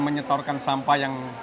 menyetorkan sampah yang